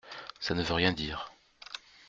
Ça ne veut rien dire.